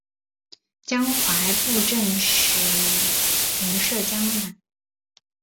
江淮布政使仍设江宁。